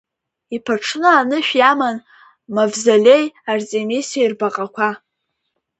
Иԥыҽны анышә иаман Мавзолеи Артемисиеи рбаҟақәа.